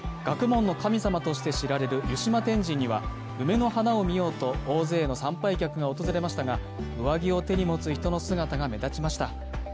学問の神様として知られる湯島天神には梅の花を見ようと大勢の参拝客が訪れましたが、上着を手に持つ人の姿が目立ちました。